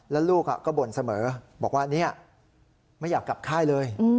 แล้วลูกก็บ่นเสมอบอกว่าไม่อยากกลับค่ายเลย